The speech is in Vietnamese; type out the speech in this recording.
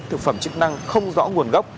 thực phẩm chức năng không rõ nguồn gốc